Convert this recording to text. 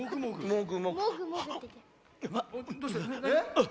あっ！